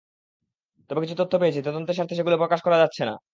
তবে কিছু তথ্য পেয়েছি, তদন্তের স্বার্থে সেগুলো প্রকাশ করা যাচ্ছে না।